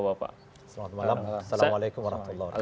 selamat malam assalamualaikum warahmatullahi wabarakatuh